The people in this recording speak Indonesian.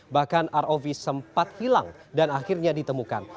bahkan rov sempat hilang dan akhirnya ditemukan